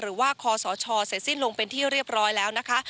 คอสชเสร็จสิ้นลงเป็นที่เรียบร้อยแล้วนะคะ